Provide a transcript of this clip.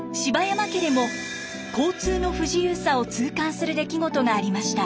山家でも交通の不自由さを痛感する出来事がありました。